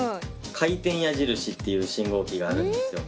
「回転矢印」っていう信号機があるんですよ。